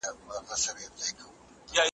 اذا زلزلت مې ګډ شو په هډونو